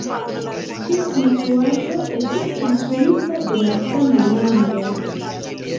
Ĉiu konstruaĵo estis konstruita de malsama lando.